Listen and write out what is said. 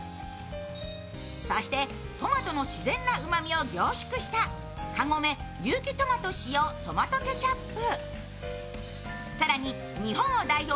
そして、トマトの自然なうまみを凝縮したカゴメ有機トマト使用トマトケチャップ。